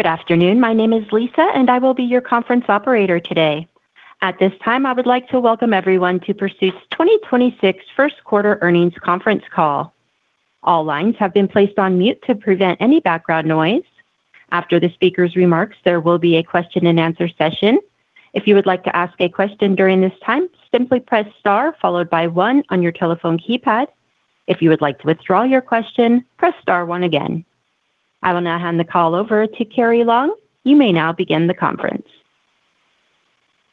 Good afternoon. My name is Lisa, and I will be your conference operator today. At this time, I would like to welcome everyone to Pursuit's 2026 first-quarter earnings conference call. All lines have been placed on mute to prevent any background noise. After the speaker's remarks, there will be a question-and-answer session. If you would like to ask a question during that time, simply press star followed by the number one on your telephone keypad. If you would like to withdraw your question, press star one again. I will now hand the call over to Carrie Long. You may now begin the conference.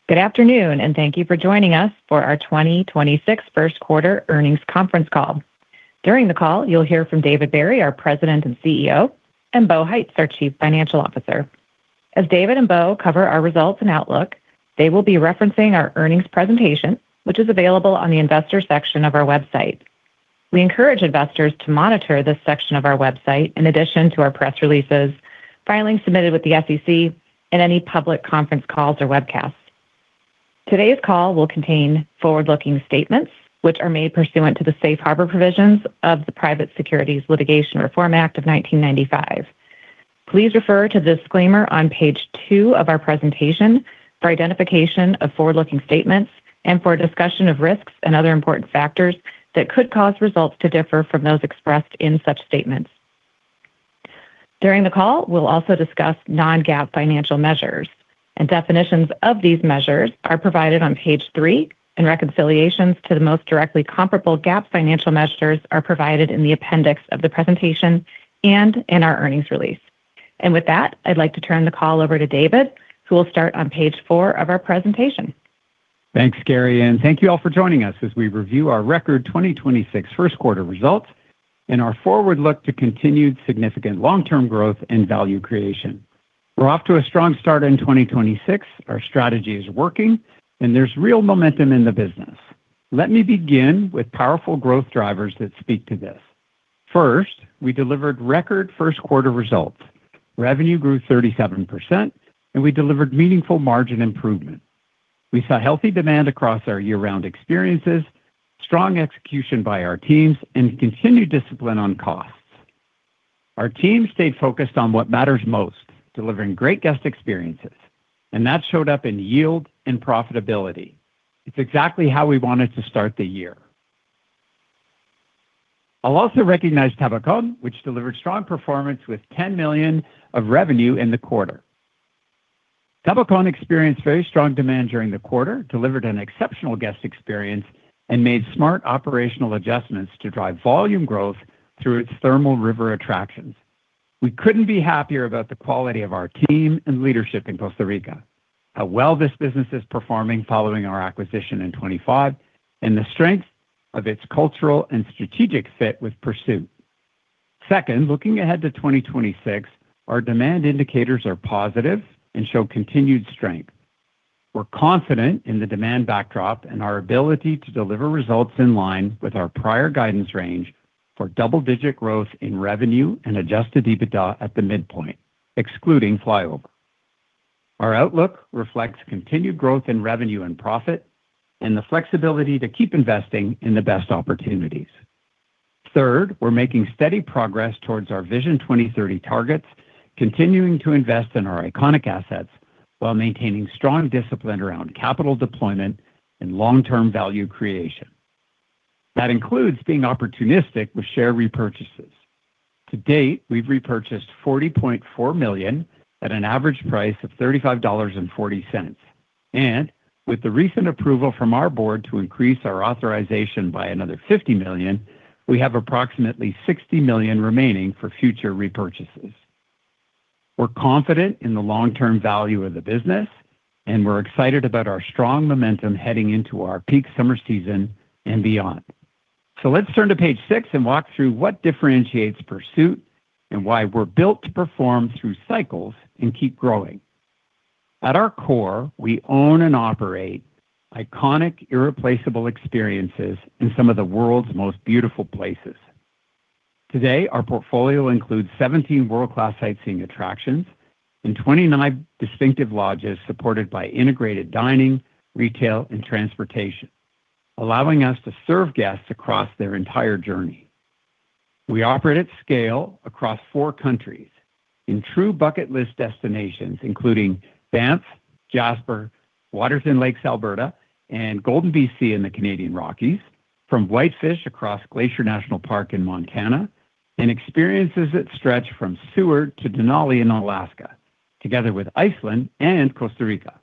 Good afternoon, and thank you for joining us for our 2026 first-quarter earnings conference call. During the call, you'll hear from David Barry, our President and CEO, and Bo Heitz, our Chief Financial Officer. As David and Bo cover our results and outlook, they will be referencing our earnings presentation, which is available on the investors section of our website. We encourage investors to monitor this section of our website in addition to our press releases, filings submitted with the SEC, and any public conference calls or webcasts. Today's call will contain forward-looking statements, which are made pursuant to the Safe Harbor provisions of the Private Securities Litigation Reform Act of 1995. Please refer to the disclaimer on page 2 of our presentation for identification of forward-looking statements and for a discussion of risks and other important factors that could cause results to differ from those expressed in such statements. During the call, we'll also discuss non-GAAP financial measures. Definitions of these measures are provided on page 3, and reconciliations to the most directly comparable GAAP financial measures are provided in the appendix of the presentation and in our earnings release. With that, I'd like to turn the call over to David, who will start on page 4 of our presentation. Thanks, Carrie, and thank you all for joining us as we review our record 2026 first-quarter results and our forward look to continued significant long-term growth and value creation. We're off to a strong start in 2026. Our strategy is working, and there's real momentum in the business. Let me begin with powerful growth drivers that speak to this. First, we delivered record first quarter results. Revenue grew 37%, and we delivered meaningful margin improvement. We saw healthy demand across our year-round experiences, strong execution by our teams, and continued discipline on costs. Our team stayed focused on what matters most, delivering great guest experiences, and that showed up in yield and profitability. It's exactly how we wanted to start the year. I'll also recognize Tabacón, which delivered strong performance with 10 million of revenue in the quarter. Tabacón experienced very strong demand during the quarter, delivered an exceptional guest experience, and made smart operational adjustments to drive volume growth through its thermal river attractions. We couldn't be happier about the quality of our team and leadership in Costa Rica, how well this business is performing following our acquisition in 2025, and the strength of its cultural and strategic fit with Pursuit. Second, looking ahead to 2026, our demand indicators are positive and show continued strength. We're confident in the demand backdrop and our ability to deliver results in line with our prior guidance range for double-digit growth in revenue and adjusted EBITDA at the midpoint, excluding FlyOver. Our outlook reflects continued growth in revenue and profit and the flexibility to keep investing in the best opportunities. We're making steady progress towards our Vision 2030 targets, continuing to invest in our iconic assets while maintaining strong discipline around capital deployment and long-term value creation. That includes being opportunistic with share repurchases. To date, we've repurchased 40.4 million at an average price of 35.40 dollars. With the recent approval from our board to increase our authorization by another 50 million, we have approximately 60 million remaining for future repurchases. We're confident in the long-term value of the business, we're excited about our strong momentum heading into our peak summer season and beyond. Let's turn to page 6 and walk through what differentiates Pursuit and why we're built to perform through cycles and keep growing. At our core, we own and operate iconic, irreplaceable experiences in some of the world's most beautiful places. Today, our portfolio includes 17 world-class sightseeing attractions and 29 distinctive lodges supported by integrated dining, retail, and transportation, allowing us to serve guests across their entire journey. We operate at scale across four countries in true bucket list destinations, including Banff, Jasper, Waterton Lakes, Alberta, and Golden B.C. in the Canadian Rockies, from Whitefish across Glacier National Park in Montana, and experiences that stretch from Seward to Denali in Alaska, together with Iceland and Costa Rica.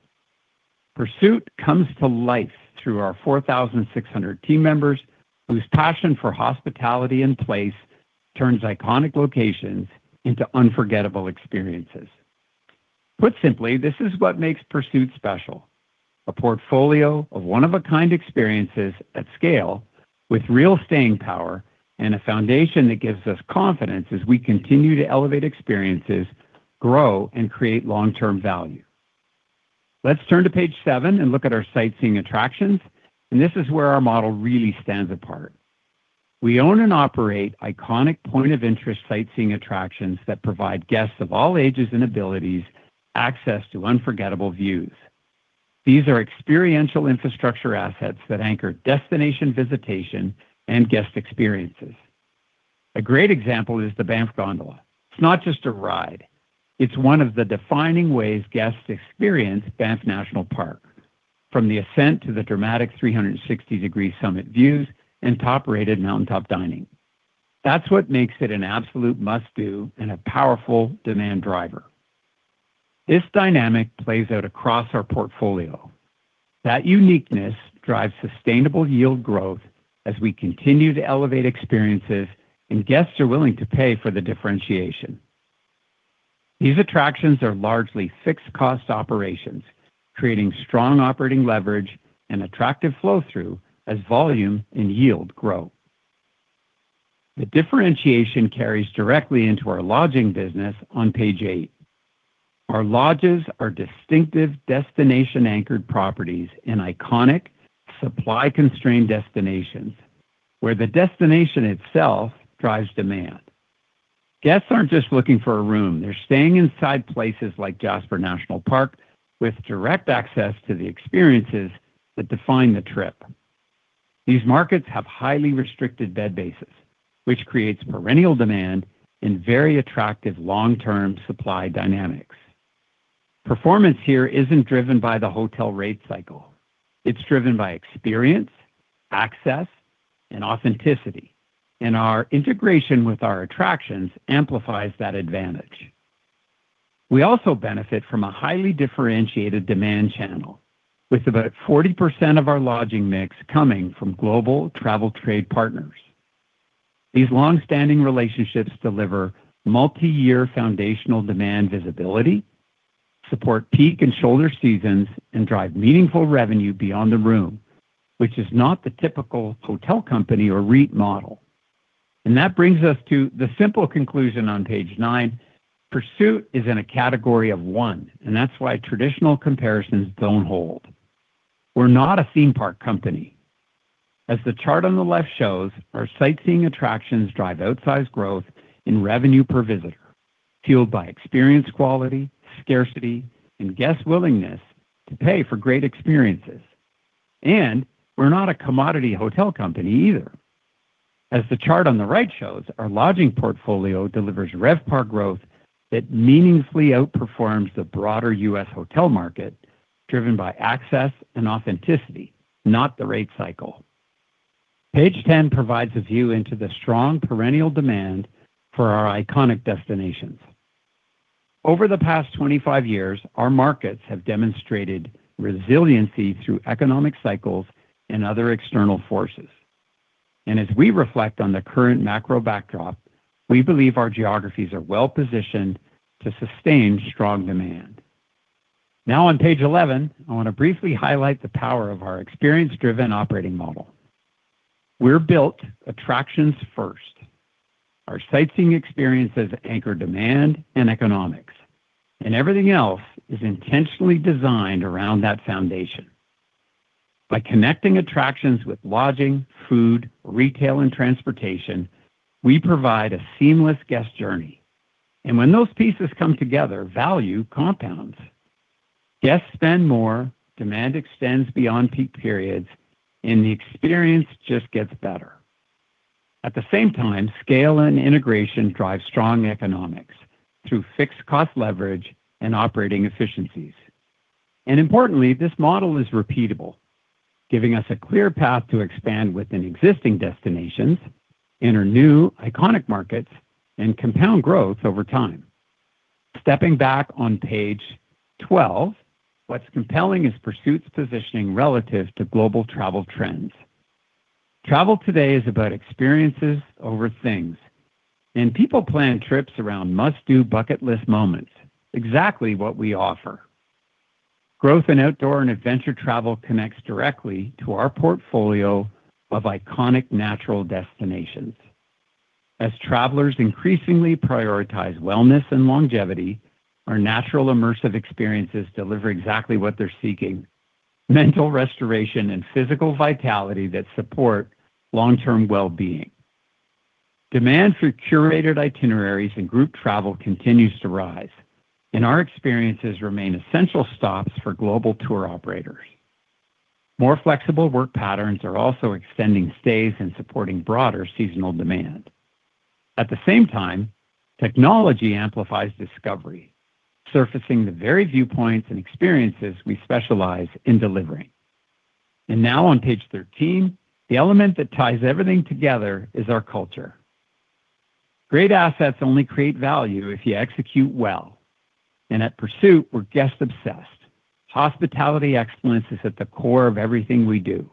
Pursuit comes to life through our 4,600 team members whose passion for hospitality and place turns iconic locations into unforgettable experiences. Put simply, this is what makes Pursuit special, a portfolio of one-of-a-kind experiences at scale with real staying power and a foundation that gives us confidence as we continue to elevate experiences, grow, and create long-term value. Let's turn to page 7 and look at our sightseeing attractions. This is where our model really stands apart. We own and operate iconic point-of-interest sightseeing attractions that provide guests of all ages and abilities access to unforgettable views. These are experiential infrastructure assets that anchor destination visitation and guest experiences. A great example is the Banff Gondola. It's not just a ride. It's one of the defining ways guests experience Banff National Park, from the ascent to the dramatic 360-degree summit views and top-rated mountaintop dining. That's what makes it an absolute must-do and a powerful demand driver. This dynamic plays out across our portfolio. That uniqueness drives sustainable yield growth as we continue to elevate experiences. Guests are willing to pay for the differentiation. These attractions are largely fixed-cost operations, creating strong operating leverage and attractive flow-through as volume and yield grow. The differentiation carries directly into our lodging business on page 8. Our lodges are distinctive destination-anchored properties in iconic, supply-constrained destinations where the destination itself drives demand. Guests aren't just looking for a room. They're staying inside places like Jasper National Park with direct access to the experiences that define the trip. These markets have highly restricted bed bases, which create perennial demand and very attractive long-term supply dynamics. Performance here isn't driven by the hotel rate cycle. It's driven by experience, access, and authenticity, and our integration with our attractions amplifies that advantage. We also benefit from a highly differentiated demand channel with about 40% of our lodging mix coming from global travel trade partners. These long-standing relationships deliver multi-year foundational demand visibility, support peak and shoulder seasons, and drive meaningful revenue beyond the room, which is not the typical hotel company or REIT model. That brings us to the simple conclusion on page 9. Pursuit is in a category of one, and that's why traditional comparisons don't hold. We're not a theme park company. As the chart on the left shows, our sightseeing attractions drive outsized growth in revenue per visitor, fueled by experience quality, scarcity, and guest willingness to pay for great experiences. We're not a commodity hotel company either. As the chart on the right shows, our lodging portfolio delivers RevPAR growth that meaningfully outperforms the broader U.S. hotel market, driven by access and authenticity, not the rate cycle. Page 10 provides a view into the strong perennial demand for our iconic destinations. Over the past 25 years, our markets have demonstrated resiliency through economic cycles and other external forces. As we reflect on the current macro backdrop, we believe our geographies are well-positioned to sustain strong demand. Now on page 11, I want to briefly highlight the power of our experience-driven operating model. We've built attractions first. Our sightseeing experiences anchor demand and economics, and everything else is intentionally designed around that foundation. By connecting attractions with lodging, food, retail, and transportation, we provide a seamless guest journey. When those pieces come together, value compounds. Guests spend more, demand extends beyond peak periods, and the experience just gets better. At the same time, scale and integration drive strong economics through fixed cost leverage and operating efficiencies. Importantly, this model is repeatable, giving us a clear path to expand within existing destinations, enter new iconic markets, and compound growth over time. Stepping back on page 12, what's compelling is Pursuit's positioning relative to global travel trends. Travel today is about experiences over things, and people plan trips around must-do bucket list moments. Exactly what we offer. Growth in outdoor and adventure travel connects directly to our portfolio of iconic natural destinations. As travelers increasingly prioritize wellness and longevity, our natural immersive experiences deliver exactly what they're seeking, mental restoration and physical vitality that support long-term well-being. Demand for curated itineraries and group travel continues to rise, and our experiences remain essential stops for global tour operators. More flexible work patterns are also extending stays and supporting broader seasonal demand. At the same time, technology amplifies discovery, surfacing the very viewpoints and experiences we specialize in delivering. Now on page 13, the element that ties everything together is our culture. Great assets only create value if you execute well. At Pursuit, we're guest-obsessed. Hospitality excellence is at the core of everything we do,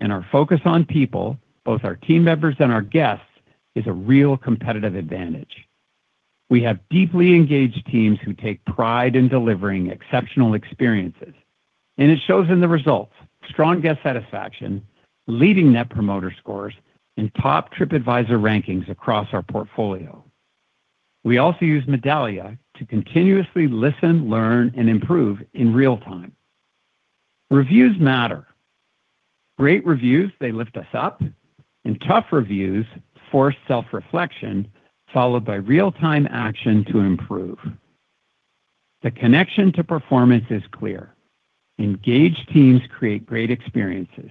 and our focus on people, both our team members and our guests, is a real competitive advantage. We have deeply engaged teams who take pride in delivering exceptional experiences, and it shows in the results. Strong guest satisfaction, leading Net Promoter Scores, and top Tripadvisor rankings across our portfolio. We also use Medallia to continuously listen, learn, and improve in real time. Reviews matter. Great reviews, they lift us up, and tough reviews force self-reflection followed by real-time action to improve. The connection to performance is clear. Engaged teams create great experiences.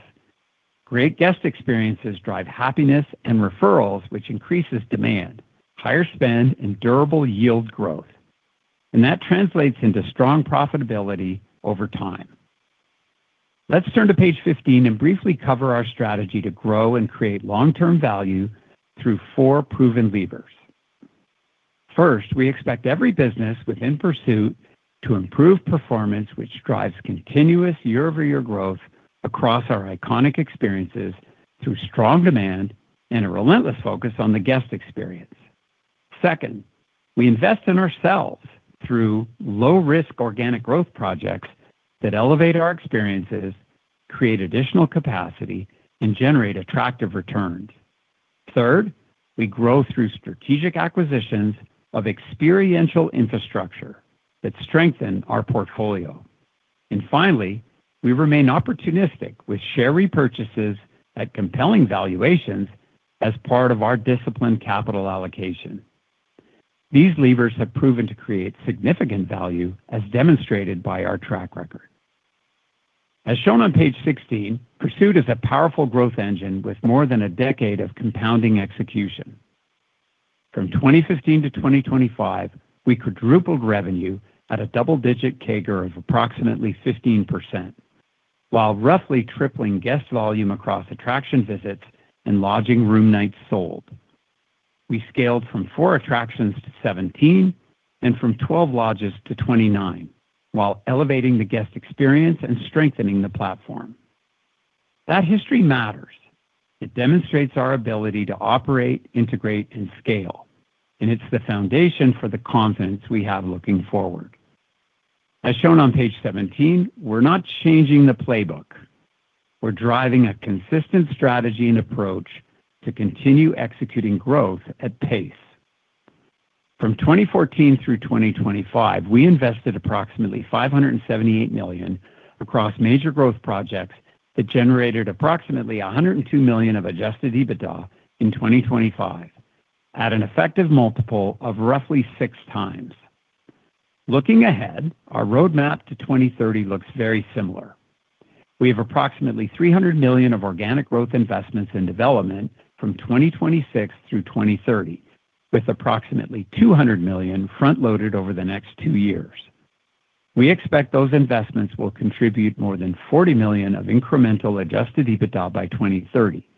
Great guest experiences drive happiness and referrals, which increase demand, higher spend, and durable yield growth. That translates into strong profitability over time. Let's turn to page 15 and briefly cover our strategy to grow and create long-term value through four proven levers. First, we expect every business within Pursuit to improve performance, which drives continuous year-over-year growth across our iconic experiences through strong demand and a relentless focus on the guest experience. Second, we invest in ourselves through low-risk organic growth projects that elevate our experiences, create additional capacity, and generate attractive returns. Third, we grow through strategic acquisitions of experiential infrastructure that strengthen our portfolio. Finally, we remain opportunistic with share repurchases at compelling valuations as part of our disciplined capital allocation. These levers have proven to create significant value as demonstrated by our track record. As shown on page 16, Pursuit is a powerful growth engine with more than a decade of compounding execution. From 2015 to 2025, we quadrupled revenue at a double-digit CAGR of approximately 15% while roughly tripling guest volume across attraction visits and lodging room nights sold. We scaled from 4 attractions to 17 and from 12 lodges to 29 while elevating the guest experience and strengthening the platform. That history matters. It demonstrates our ability to operate, integrate, and scale, and it's the foundation for the confidence we have looking forward. As shown on page 17, we're not changing the playbook. We're driving a consistent strategy and approach to continue executing growth at pace. From 2014 through 2025, we invested approximately 578 million across major growth projects that generated approximately 102 million of adjusted EBITDA in 2025 at an effective multiple of roughly 6x. Looking ahead, our roadmap to 2030 looks very similar. We have approximately 300 million of organic growth investments in development from 2026 through 2030, with approximately 200 million front-loaded over the next two years. We expect those investments will contribute more than 40 million of incremental adjusted EBITDA by 2030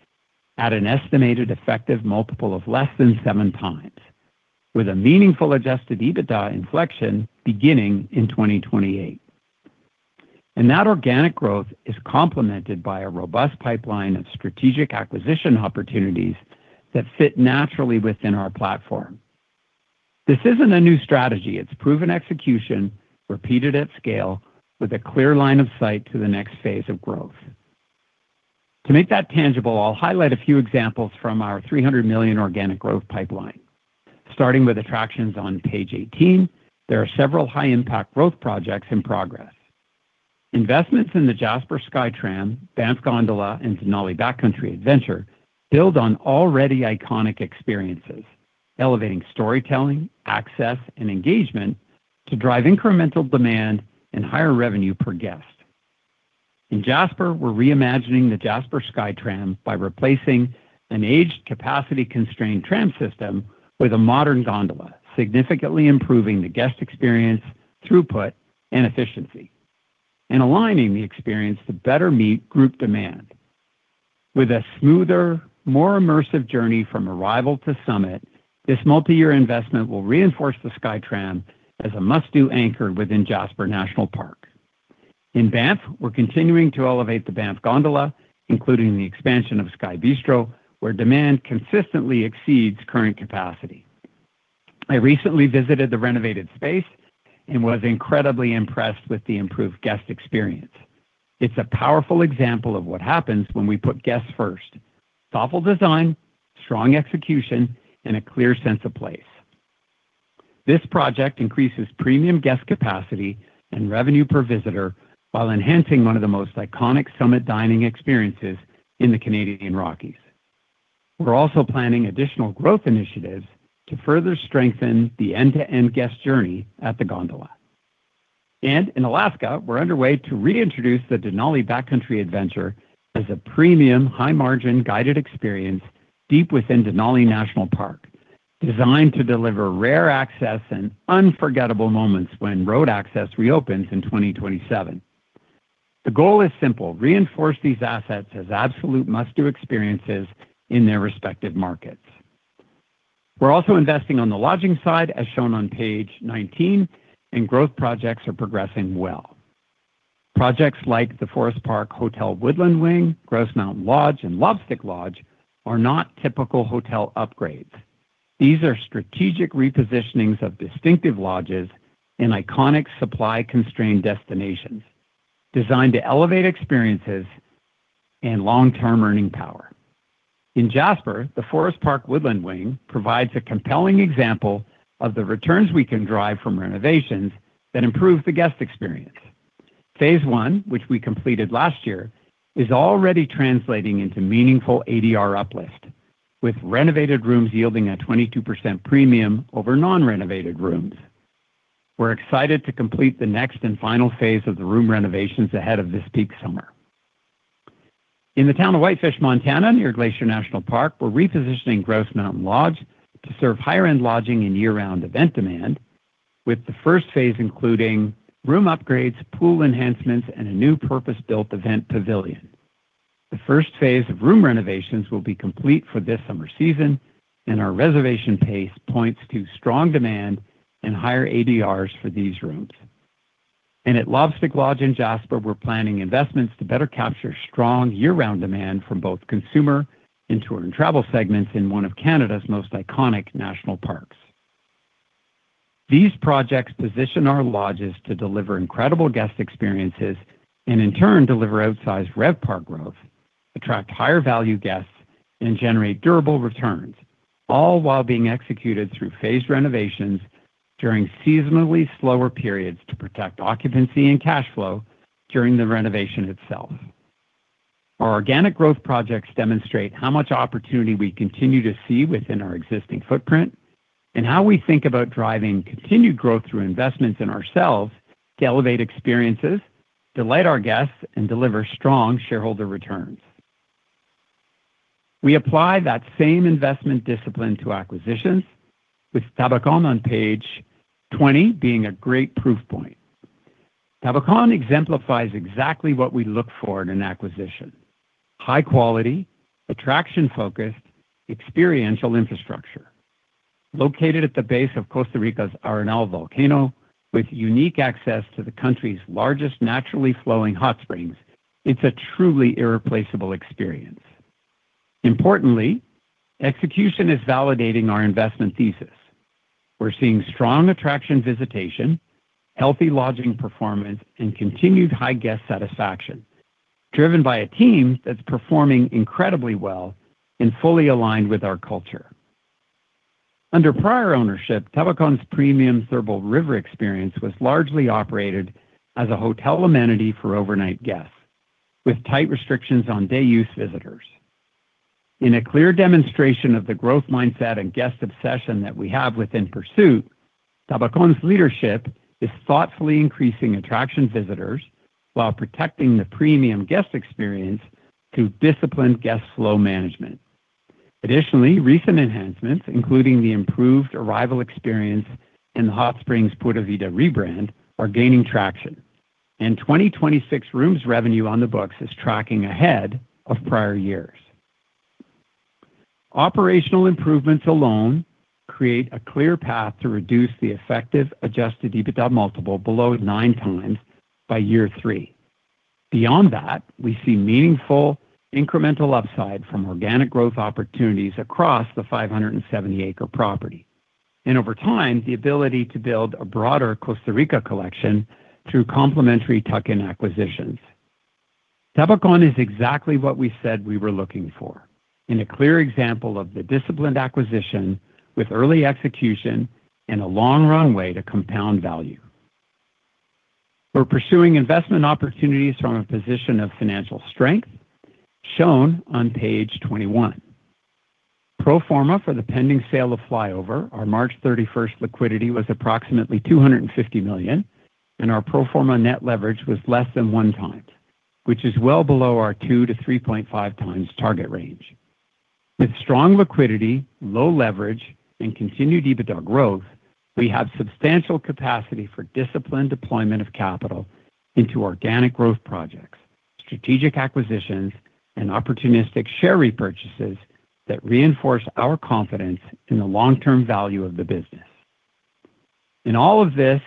at an estimated effective multiple of less than 7x, with a meaningful adjusted EBITDA inflection beginning in 2028. That organic growth is complemented by a robust pipeline of strategic acquisition opportunities that fit naturally within our platform. This isn't a new strategy. It's proven execution repeated at scale with a clear line of sight to the next phase of growth. To make that tangible, I'll highlight a few examples from our 300 million organic growth pipeline. Starting with attractions on page 18, there are several high-impact growth projects in progress. Investments in the Jasper SkyTram, Banff Gondola and Denali Backcountry Adventure build on already iconic experiences, elevating storytelling, access and engagement to drive incremental demand and higher revenue per guest. In Jasper, we're reimagining the Jasper SkyTram by replacing an aged capacity-constrained tram system with a modern gondola, significantly improving the guest experience, throughput, and efficiency, and aligning the experience to better meet group demand. With a smoother, more immersive journey from arrival to summit, this multi-year investment will reinforce the SkyTram as a must-do anchor within Jasper National Park. In Banff, we're continuing to elevate the Banff Gondola, including the expansion of Sky Bistro, where demand consistently exceeds current capacity. I recently visited the renovated space and was incredibly impressed with the improved guest experience. It's a powerful example of what happens when we put guests first, thoughtful design, strong execution, and a clear sense of place. This project increases premium guest capacity and revenue per visitor while enhancing one of the most iconic summit dining experiences in the Canadian Rockies. We're also planning additional growth initiatives to further strengthen the end-to-end guest journey at the gondola. In Alaska, we're underway to reintroduce the Denali Backcountry Adventure as a premium high-margin guided experience deep within Denali National Park, designed to deliver rare access and unforgettable moments when road access reopens in 2027. The goal is simple: reinforce these assets as absolute must-do experiences in their respective markets. We're also investing in the lodging side, as shown on page 19. Growth projects are progressing well. Projects like the Forest Park Hotel Woodland Wing, Grouse Mountain Lodge, and Lobstick Lodge are not typical hotel upgrades. These are strategic repositionings of distinctive lodges in iconic supply-constrained destinations designed to elevate experiences and long-term earning power. In Jasper, the Forest Park Hotel Woodland Wing provides a compelling example of the returns we can drive from renovations that improve the guest experience. Phase I, which we completed last year, is already translating into meaningful ADR uplift, with renovated rooms yielding a 22% premium over non-renovated rooms. We're excited to complete the next and final phase of the room renovations ahead of this peak summer. In the town of Whitefish, Montana, near Glacier National Park, we're repositioning Grouse Mountain Lodge to serve higher-end lodging and year-round event demand, with the first phase including room upgrades, pool enhancements, and a new purpose-built event pavilion. The first phase of room renovations will be complete for this summer season, our reservation pace points to strong demand and higher ADRs for these rooms. At Lobstick Lodge in Jasper, we're planning investments to better capture strong year-round demand from both consumer and tour and travel segments in one of Canada's most iconic national parks. These projects position our lodges to deliver incredible guest experiences and, in turn, deliver outsized RevPAR growth, attract higher-value guests, and generate durable returns, all while being executed through phased renovations during seasonally slower periods to protect occupancy and cash flow during the renovation itself. Our organic growth projects demonstrate how much opportunity we continue to see within our existing footprint and how we think about driving continued growth through investments in ourselves to elevate experiences, delight our guests, and deliver strong shareholder returns. We apply that same investment discipline to acquisitions, with Tabacón on page 20 being a great proof point. Tabacón exemplifies exactly what we look for in an acquisition: high quality, attraction-focused, experiential infrastructure. Located at the base of Costa Rica's Arenal Volcano, with unique access to the country's largest naturally flowing hot springs, it's a truly irreplaceable experience. Importantly, execution is validating our investment thesis. We're seeing strong attraction visitation, healthy lodging performance, and continued high guest satisfaction, driven by a team that's performing incredibly well and fully aligned with our culture. Under prior ownership, Tabacón's premium thermal river experience was largely operated as a hotel amenity for overnight guests, with tight restrictions on day-use visitors. In a clear demonstration of the growth mindset and guest obsession that we have within Pursuit, Tabacón's leadership is thoughtfully increasing attraction visitors while protecting the premium guest experience through disciplined guest flow management. Additionally, recent enhancements, including the improved arrival experience and the Hot Springs Pura Vida rebrand, are gaining traction. 2026 rooms' revenue on the books is tracking ahead of prior years. Operational improvements alone create a clear path to reduce the effective adjusted EBITDA multiple below 9x by year three. Beyond that, we see meaningful incremental upside from organic growth opportunities across the 570 acre property. Over time, the ability to build a broader Costa Rica collection through complementary tuck-in acquisitions. Tabacón is exactly what we said we were looking for in a clear example of the disciplined acquisition with early execution and a long runway to compound value. We're pursuing investment opportunities from a position of financial strength, shown on page 21. Pro forma for the pending sale of FlyOver, our March 31st liquidity was approximately 250 million, and our pro forma net leverage was less than 1x, which is well below our 2x-3.5x target range. With strong liquidity, low leverage, and continued EBITDA growth, we have substantial capacity for disciplined deployment of capital into organic growth projects, strategic acquisitions, and opportunistic share repurchases that reinforce our confidence in the long-term value of the business. All of this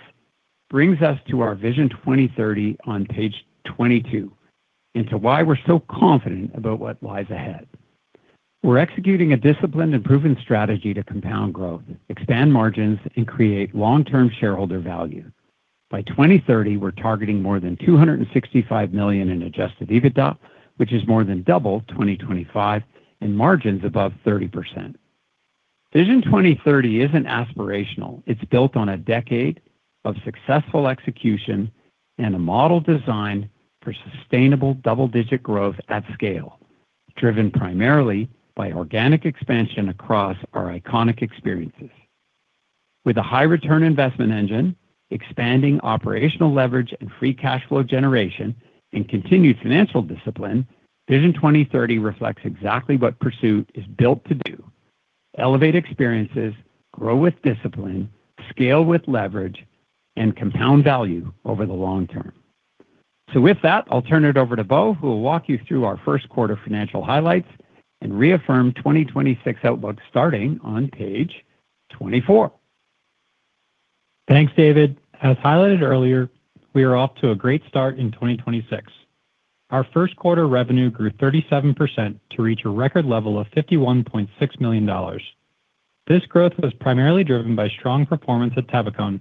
brings us to our Vision 2030 on page 22 and to why we're so confident about what lies ahead. We're executing a disciplined and proven strategy to compound growth, expand margins, and create long-term shareholder value. By 2030, we're targeting more than 265 million in adjusted EBITDA, which is more than double 2025, and margins above 30%. Vision 2030 isn't aspirational. It's built on a decade of successful execution and a model designed for sustainable double-digit growth at scale, driven primarily by organic expansion across our iconic experiences. With a high return investment engine, expanding operational leverage and free cash flow generation, and continued financial discipline, Vision 2030 reflects exactly what Pursuit is built to do: elevate experiences, grow with discipline, scale with leverage, and compound value over the long term. With that, I'll turn it over to Bo, who will walk you through our first quarter financial highlights and reaffirm 2026 outlook starting on page 24. Thanks, David. As highlighted earlier, we are off to a great start in 2026. Our first quarter revenue grew 37% to reach a record level of 51.6 million dollars. This growth was primarily driven by strong performance at Tabacón,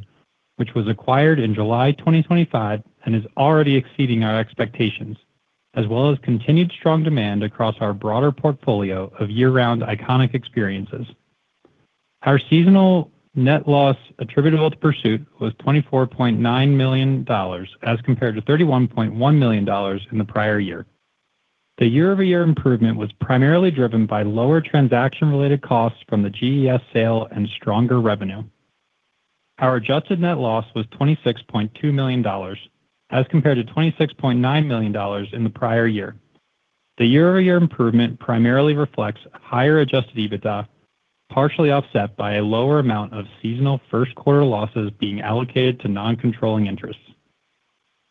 which was acquired in July 2025 and is already exceeding our expectations, as well as continued strong demand across our broader portfolio of year-over-year iconic experiences. Our seasonal net loss attributable to Pursuit was 24.9 million dollars as compared to 31.1 million dollars in the prior year. The year-over-year improvement was primarily driven by lower transaction-related costs from the GES sale and stronger revenue. Our adjusted net loss was 26.2 million dollars as compared to 26.9 million dollars in the prior year. The year-over-year improvement primarily reflects higher adjusted EBITDA, partially offset by a lower amount of seasonal first-quarter losses being allocated to non-controlling interests.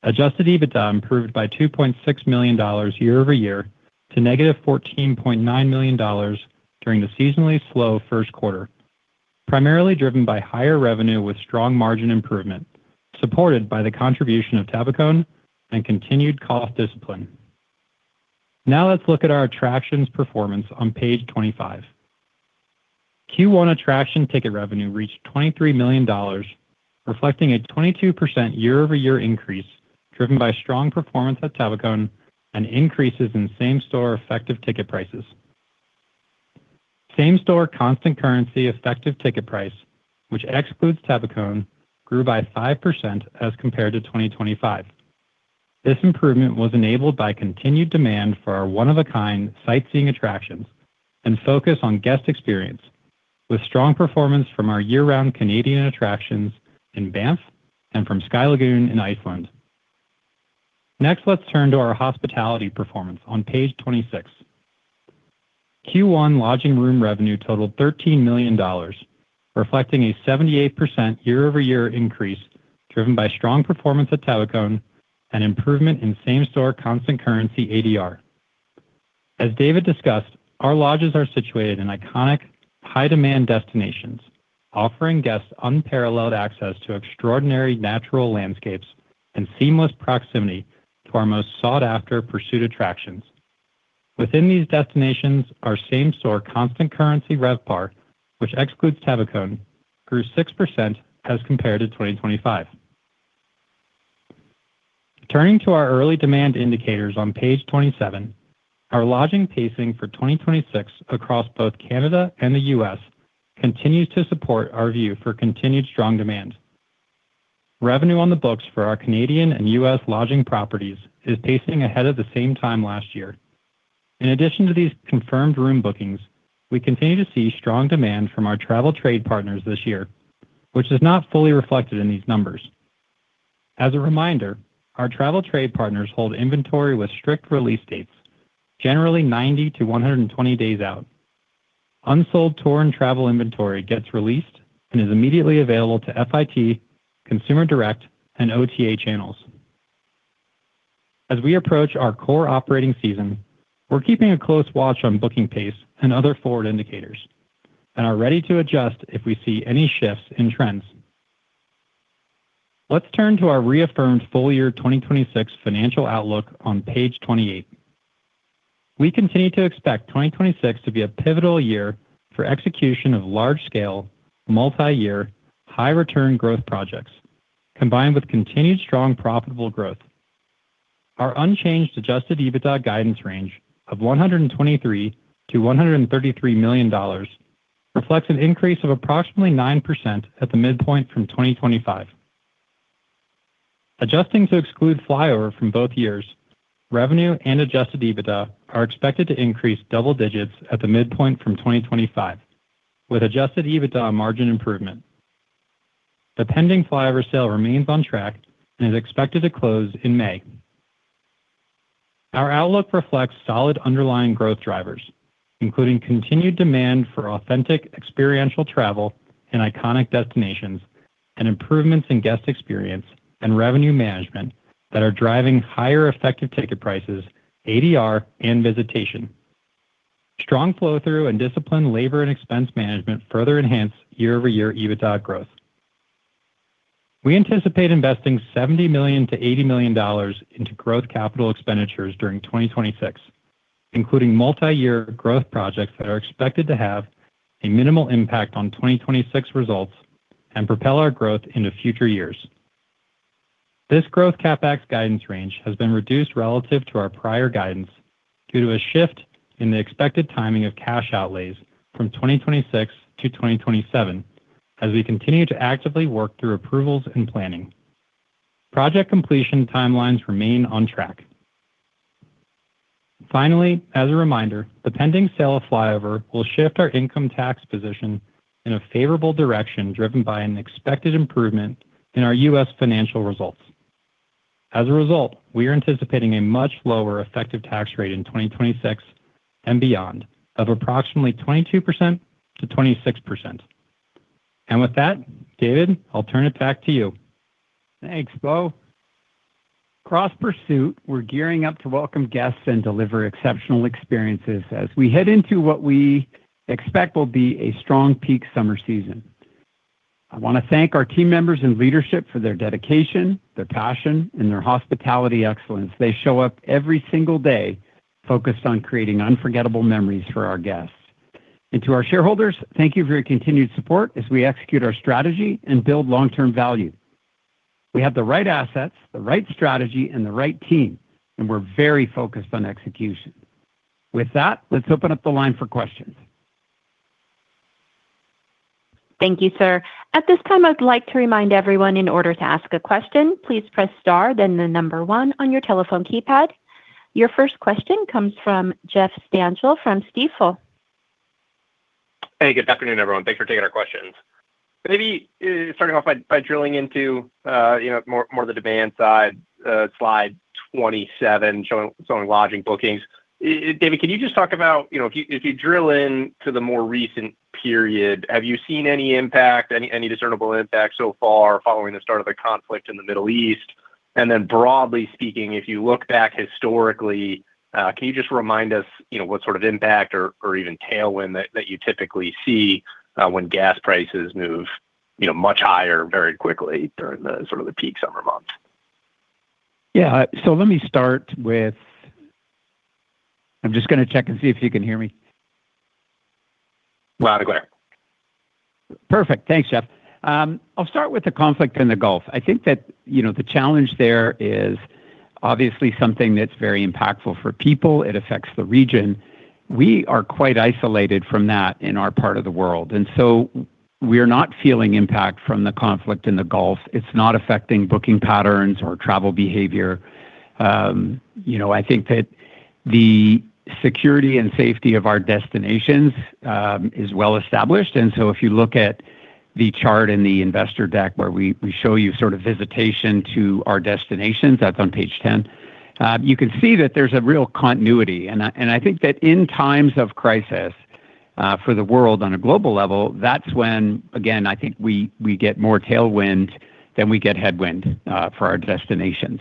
Adjusted EBITDA improved by 2.6 million dollars year-over-year to -14.9 million dollars during the seasonally slow first quarter, primarily driven by higher revenue with strong margin improvement, supported by the contribution of Tabacón and continued cost discipline. Let's look at our attractions performance on page 25. Q1 attraction ticket revenue reached 23 million dollars, reflecting a 22% year-over-year increase driven by strong performance at Tabacón and increases in same-store effective ticket prices. Same-store constant currency effective ticket price, which excludes Tabacón, grew by 5% as compared to 2025. This improvement was enabled by continued demand for our one-of-a-kind sightseeing attractions and focus on guest experience, with strong performance from our year-round Canadian attractions in Banff and from Sky Lagoon in Iceland. Next, let's turn to our hospitality performance on page 26. Q1 lodging room revenue totaled 13 million dollars, reflecting a 78% year-over-year increase driven by strong performance at Tabacón and improvement in same-store constant currency ADR. As David discussed, our lodges are situated in iconic high-demand destinations, offering guests unparalleled access to extraordinary natural landscapes and seamless proximity to our most sought-after Pursuit attractions. Within these destinations, our same-store constant currency RevPAR, which excludes Tabacón, grew 6% as compared to 2025. Turning to our early demand indicators on page 27, our lodging pacing for 2026 across both Canada and the U.S. continues to support our view for continued strong demand. Revenue on the books for our Canadian and U.S. lodging properties is pacing ahead of the same time last year. In addition to these confirmed room bookings, we continue to see strong demand from our travel trade partners this year, which is not fully reflected in these numbers. As a reminder, our travel trade partners hold inventory with strict release dates, generally 90-120 days out. Unsold tour and travel inventory gets released and is immediately available to FIT, consumer direct, and OTA channels. As we approach our core operating season, we're keeping a close watch on booking pace and other forward indicators and are ready to adjust if we see any shifts in trends. Let's turn to our reaffirmed full-year 2026 financial outlook on page 28. We continue to expect 2026 to be a pivotal year for execution of large-scale, multi-year, high-return growth projects, combined with continued strong profitable growth. Our unchanged adjusted EBITDA guidance range of 123 million-133 million dollars reflects an increase of approximately 9% at the midpoint from 2025. Adjusting to exclude FlyOver from both years, revenue and adjusted EBITDA are expected to increase double digits at the midpoint from 2025, with adjusted EBITDA margin improvement. The pending FlyOver sale remains on track and is expected to close in May. Our outlook reflects solid underlying growth drivers, including continued demand for authentic experiential travel in iconic destinations and improvements in guest experience and revenue management that are driving higher effective ticket prices, ADR, and visitation. Strong flow-through and disciplined labor and expense management further enhance year-over-year EBITDA growth. We anticipate investing 70 million-80 million dollars into growth capital expenditures during 2026, including multi-year growth projects that are expected to have a minimal impact on 2026 results and propel our growth into future years. This growth CapEx guidance range has been reduced relative to our prior guidance due to a shift in the expected timing of cash outlays from 2026 to 2027 as we continue to actively work through approvals and planning. Project completion timelines remain on track. Finally, as a reminder, the pending sale of FlyOver will shift our income tax position in a favorable direction driven by an expected improvement in our U.S. financial results. As a result, we are anticipating a much lower effective tax rate in 2026 and beyond of approximately 22%-26%. With that, David, I'll turn it back to you. Thanks, Bo. Across Pursuit, we're gearing up to welcome guests and deliver exceptional experiences as we head into what we expect will be a strong peak summer season. I wanna thank our team members and leadership for their dedication, their passion, and their hospitality excellence. They show up every single day focused on creating unforgettable memories for our guests. To our shareholders, thank you for your continued support as we execute our strategy and build long-term value. We have the right assets, the right strategy, and the right team. We're very focused on execution. With that, let's open up the line for questions. Thank you, sir. At this time, I would like to remind everyone that in order to ask a question, please press star, then number one on your telephone keypad. Your first question comes from Jeff Stantial from Stifel. Hey, good afternoon, everyone. Thanks for taking our questions. Maybe starting off by drilling into, you know, more the demand side, slide 27 showing lodging bookings. David, can you just talk about, you know, if you drill into the more recent period, have you seen any impact, any discernible impact so far following the start of the conflict in the Middle East? Broadly speaking, if you look back historically, can you just remind us, you know, what sort of impact or even tailwind that you typically see when gas prices move, you know, much higher very quickly during the sort of the peak summer months? Yeah. I'm just gonna check and see if you can hear me. Loud and clear. Perfect. Thanks, Jeff. I'll start with the conflict in the Gulf. I think that, you know, the challenge there is obviously something that's very impactful for people. It affects the region. We are quite isolated from that in our part of the world. We're not feeling impact from the conflict in the Gulf. It's not affecting booking patterns or travel behavior. You know, I think that the security and safety of our destinations is well established. If you look at the chart in the investor deck where we show you sort of visitation to our destinations, that's on page 10, you can see that there's a real continuity. I think that in times of crisis, for the world on a global level, that's when, again, I think we get more tailwind than we get headwind, for our destinations.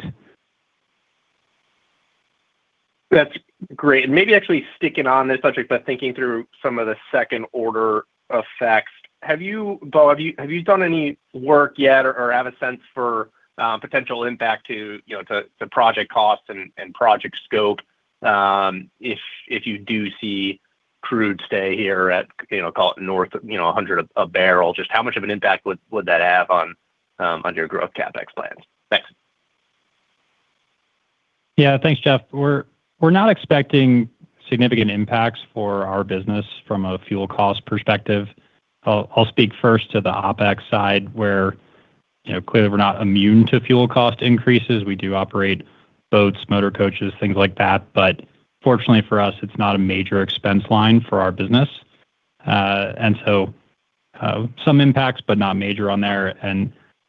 That's great. Maybe actually sticking on this subject, thinking through some of the second-order effects, Bo, have you done any work yet or have a sense for potential impact to, you know, to project costs and project scope if you do see crude stay here at, you know, call it north of, 100 a barrel? Just how much of an impact would that have on your growth CapEx plans? Thanks. Yeah. Thanks, Jeff. We're not expecting significant impacts for our business from a fuel cost perspective. I'll speak first to the OpEx side where, you know, clearly we're not immune to fuel cost increases. We do operate boats, motor coaches, things like that. Fortunately for us, it's not a major expense line for our business. Some impacts, not major on there.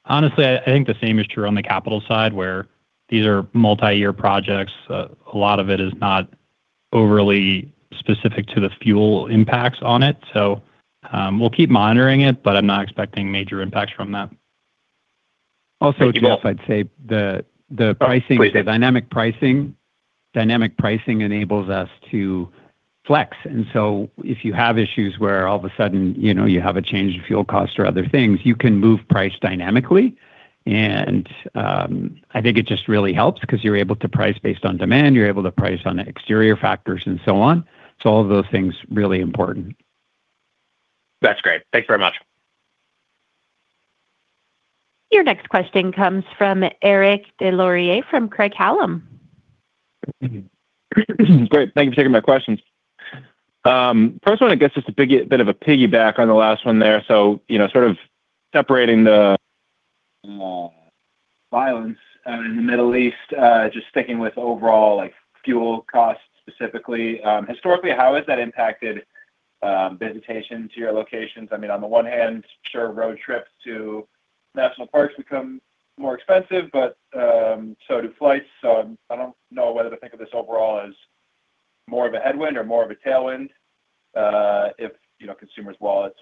Honestly, I think the same is true on the capital side, where these are multi-year projects. A lot of it is not overly specific to the fuel impacts on it. We'll keep monitoring it, I'm not expecting major impacts from that. Thank you. Also, Jeff, I'd say the pricing. Oh, please. The dynamic pricing, dynamic pricing enables us to flex. If you have issues where, all of a sudden, you have a change in fuel cost or other things, you can move price dynamically. I think it just really helps because you're able to price based on demand, you're able to price on exterior factors, and so on. All of those things, really important. That's great. Thanks very much. Your next question comes from Eric Des Lauriers from Craig-Hallum. Great. Thank you for taking my questions. First one, I guess, just a bit of a piggyback on the last one there. You know, sort of separating the violence in the Middle East, just sticking with overall like fuel costs specifically, historically, how has that impacted visitation to your locations? I mean, on the one hand, sure, road trips to national parks become more expensive, but so do flights. I don't know whether to think of this overall as more of a headwind or more of a tailwind, if, you know, consumers' wallets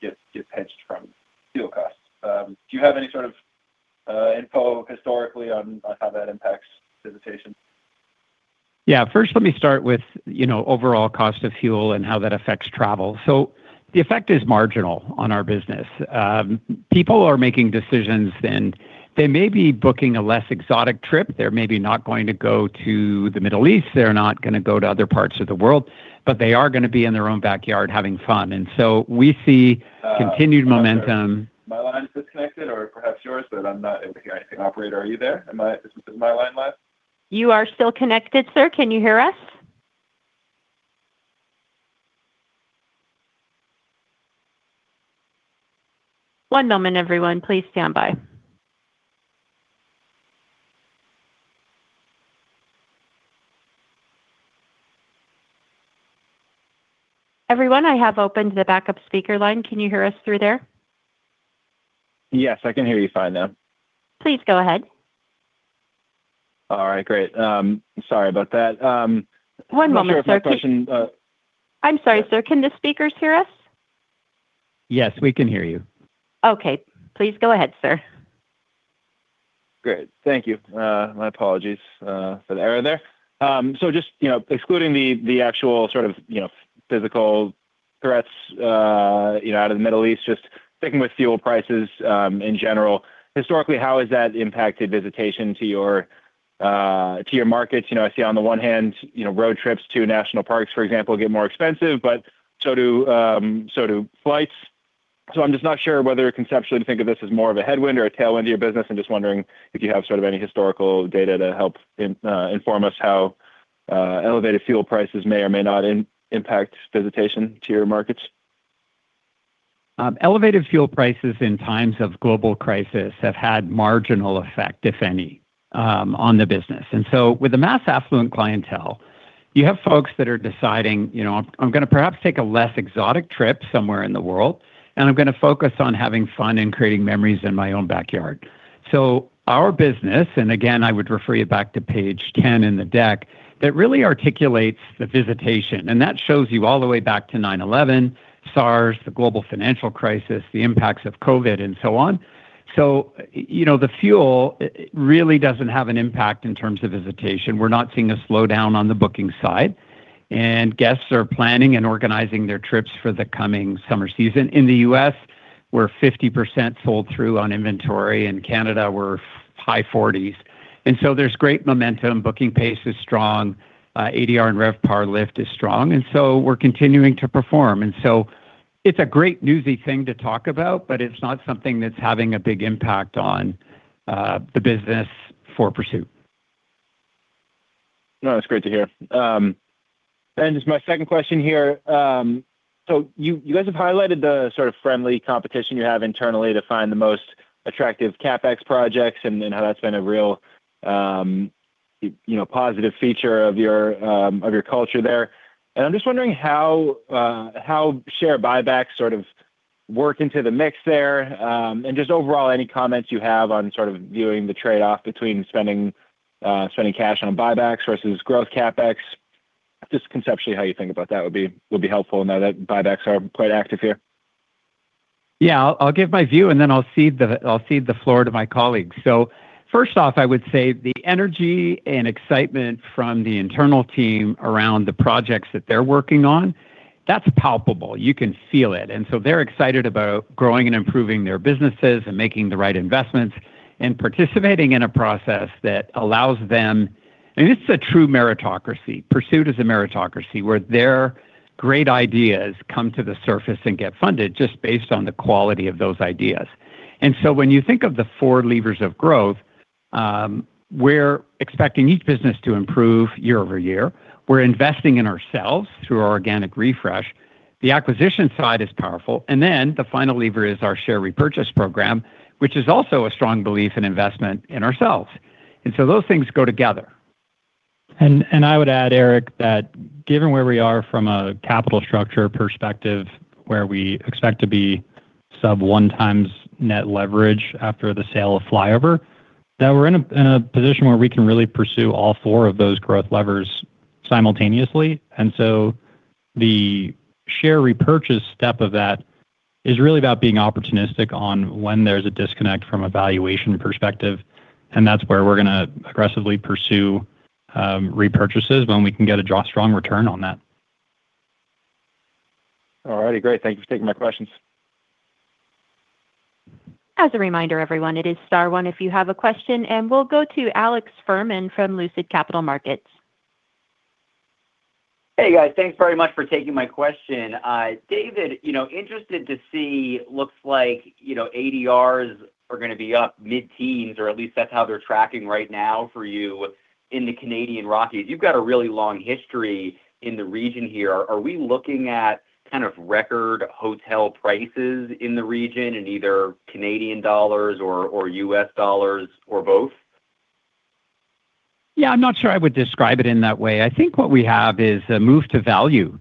get pinched from fuel costs. Do you have any sort of info historically on how that impacts visitation? Yeah. First, let me start with, you know, overall cost of fuel and how that affects travel. The effect is marginal on our business. People are making decisions, and they may be booking a less exotic trip. They're maybe not going to go to the Middle East, they're not gonna go to other parts of the world, but they are gonna be in their own backyard having fun. We see continued momentum. My line disconnected or perhaps yours, but I'm not able to hear anything. Operator, are you there? Is my line live? You are still connected, sir. Can you hear us? One moment, everyone. Please stand by. Everyone, I have opened the backup speaker line. Can you hear us through there? Yes, I can hear you fine now. Please go ahead. All right, great. Sorry about that. One moment, sir. I'm not sure if that question. I'm sorry, sir. Can the speakers hear us? Yes, we can hear you. Okay. Please go ahead, sir. Great. Thank you. My apologies for the error there. Just, you know, excluding the actual sort of, you know, physical threats, you know, out of the Middle East, just sticking with fuel prices, in general, historically, how has that impacted visitation to your, to your markets? You know, I see on the one hand, you know, road trips to national parks, for example, get more expensive, but so do, so do flights. I'm just not sure whether conceptually to think of this as more of a headwind or a tailwind to your business. I'm just wondering if you have sort of any historical data to help in, inform us how, elevated fuel prices may or may not impact visitation to your markets. Elevated fuel prices in times of global crisis have had marginal effect, if any, on the business. With the mass affluent clientele, you have folks that are deciding, you know, "I'm gonna perhaps take a less exotic trip somewhere in the world, and I'm gonna focus on having fun and creating memories in my own backyard." Our business, and again, I would refer you back to page 10 in the deck, that really articulates the visitation, and that shows you all the way back to 9/11, SARS, the global financial crisis, the impacts of COVID, and so on. The fuel, you know, it really doesn't have an impact in terms of visitation. We're not seeing a slowdown on the booking side, and guests are planning and organizing their trips for the coming summer season. In the U.S., we're 50% sold through on inventory. In Canada, we're high 40s. There's great momentum. Booking pace is strong. ADR and RevPAR lift is strong, we're continuing to perform. It's a great newsy thing to talk about, but it's not something that's having a big impact on the business for Pursuit. No, that's great to hear. Just my second question here. You, you guys have highlighted the sort of friendly competition you have internally to find the most attractive CapEx projects and how that's been a real, you know, positive feature of your culture there. I'm just wondering how share buybacks sort of work into the mix there. Just overall, any comments you have on sort of viewing the trade-off between spending cash on buybacks versus growth CapEx? Just conceptually, how you think about that would be, would be helpful now that buybacks are quite active here. Yeah. I'll give my view, and then I'll cede the floor to my colleague. First off, I would say the energy and excitement from the internal team around the projects that they're working on, that is palpable. You can feel it. They're excited about growing and improving their businesses and making the right investments and participating in a process that allows them I mean, this is a true meritocracy. Pursuit is a meritocracy, where their great ideas come to the surface and get funded just based on the quality of those ideas. When you think of the four levers of growth, we're expecting each business to improve year-over-year. We're investing in ourselves through our organic refresh. The acquisition side is powerful. The final lever is our share repurchase program, which is also a strong belief and investment in ourselves. Those things go together. I would add, Eric, that given where we are from a capital structure perspective, where we expect to be sub 1x net leverage after the sale of FlyOver, that we're in a position where we can really pursue all four of those growth levers simultaneously. The share repurchase step of that is really about being opportunistic on when there's a disconnect from a valuation perspective, and that's where we're going to aggressively pursue repurchases when we can get a strong return on that. All righty. Great. Thank you for taking my questions. As a reminder, everyone, it is star one if you have a question. We'll go to Alex Fuhrman from Lucid Capital Markets. Hey, guys. Thanks very much for taking my question. David, you know, interested to see, looks like, you know, ADRs are gonna be up mid-teens, or at least that's how they're tracking right now for you in the Canadian Rockies. You've got a really long history in the region here. Are we looking at kind of record hotel prices in the region in either Canadian dollars or U.S. Dollars or both? Yeah. I'm not sure I would describe it in that way. I think what we have is a move to value.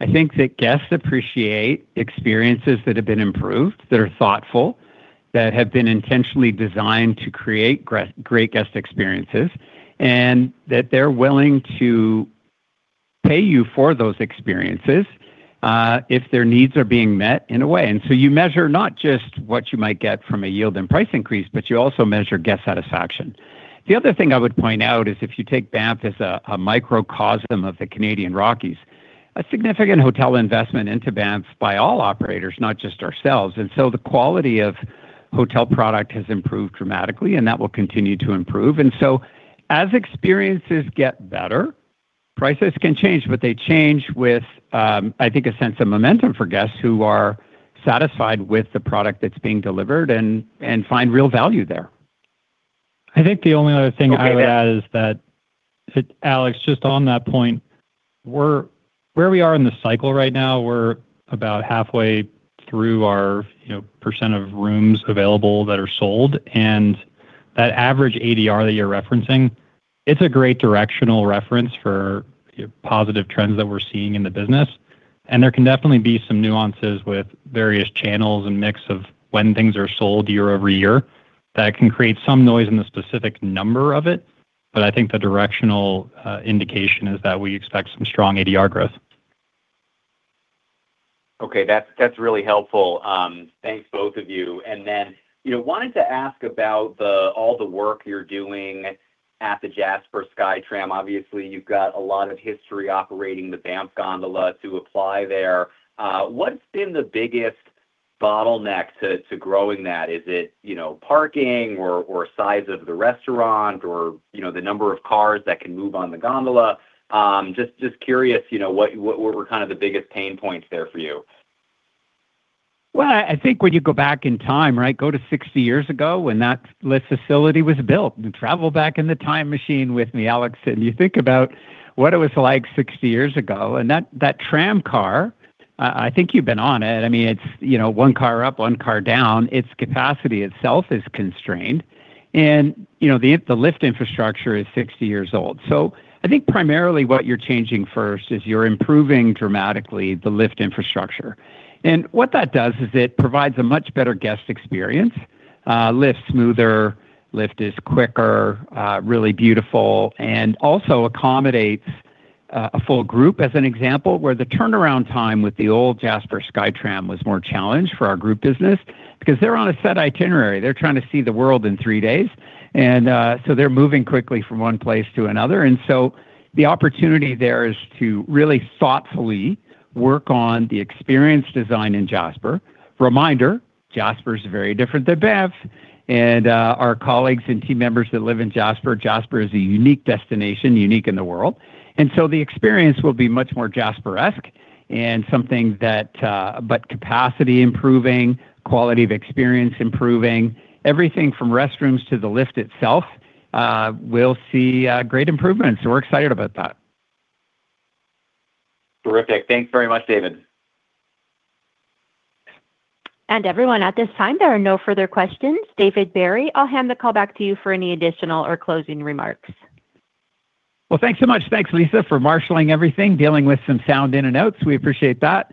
I think that guests appreciate experiences that have been improved, that are thoughtful, that have been intentionally designed to create great guest experiences, and that they're willing to pay you for those experiences if their needs are being met in a way. You measure not just what you might get from a yield and price increase, but you also measure guest satisfaction. The other thing I would point out is if you take Banff as a microcosm of the Canadian Rockies, a significant hotel investment into Banff by all operators, not just ourselves. The quality of hotel product has improved dramatically, and that will continue to improve. As experiences get better, prices can change, but they change with, I think, a sense of momentum for guests who are satisfied with the product that's being delivered and find real value there. I think the only other thing I would add is that, Alex, just on that point, where we are in the cycle right now, we're about halfway through our, you know, percent of rooms available that are sold. That average ADR that you're referencing it's a great directional reference for positive trends that we're seeing in the business, and there can definitely be some nuances with various channels and mix of when things are sold year-over-year that can create some noise in the specific number of it. I think the directional indication is that we expect some strong ADR growth Okay. That's really helpful. Thanks, both of you. Then, you know, wanted to ask about all the work you're doing at the Jasper SkyTram. Obviously, you've got a lot of history operating the Banff Gondola to apply there. What's been the biggest bottleneck to growing that? Is it, you know, parking or size of the restaurant or, you know, the number of cars that can move on the gondola? Just curious, you know, what were kind of the biggest pain points there for you? Well, I think when you go back in time, right? Go to 60 years ago when that lift facility was built, and travel back in the time machine with me, Alex, and you think about what it was like 60 years ago. That tram car, I think you've been on it. I mean, it's, you know, one car up, one car down. Its capacity itself is constrained. You know, the lift infrastructure is 60 years old. I think primarily what you're changing first is you're improving dramatically the lift infrastructure. What that does is it provides a much better guest experience. Lift's smoother, lift is quicker, really beautiful, and also accommodates a full group as an example, where the turnaround time with the old Jasper SkyTram was more challenged for our group business because they're on a set itinerary. They're trying to see the world in three days, so they're moving quickly from one place to another. The opportunity there is to really thoughtfully work on the experience design in Jasper. Reminder, Jasper's very different than Banff, our colleagues and team members that live in Jasper is a unique destination, unique in the world. The experience will be much more Jasper-esque and something that. Capacity improving, quality of experience improving. Everything from restrooms to the lift itself, will see great improvements, so we're excited about that. Terrific. Thanks very much, David. Everyone, at this time, there are no further questions. David Barry, I'll hand the call back to you for any additional or closing remarks. Well, thanks so much. Thanks, Lisa, for marshaling everything, dealing with some sound in and outs. We appreciate that.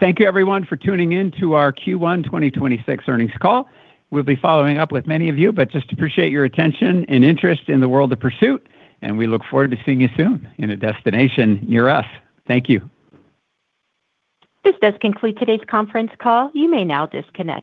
Thank you, everyone, for tuning in to our Q1 2026 earnings call. We'll be following up with many of you, but just appreciate your attention and interest in the world of Pursuit, and we look forward to seeing you soon in a destination near us. Thank you. This does conclude today's conference call. You may now disconnect.